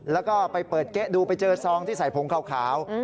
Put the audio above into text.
แล้วก็ไปเปิดเก๊ะดูไปเจอซองที่ใส่ผงขาว